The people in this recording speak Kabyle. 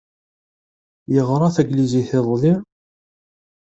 Yeɣṛa taglizit iḍelli?